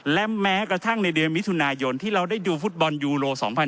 และแม้กระทั่งในเดือนมิถุนายนที่เราได้ดูฟุตบอลยูโร๒๐๑๖